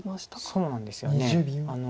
そうなんですよね。